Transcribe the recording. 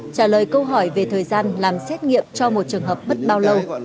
trả lời câu hỏi về thời gian làm xét nghiệm cho một trường hợp mất bao lâu